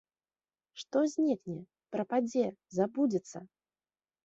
Што знікне, прападзе, забудзецца?